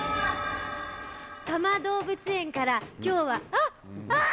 多摩動物園から、きょうは、あっ、あー！